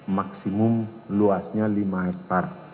maksimum luasnya lima hektare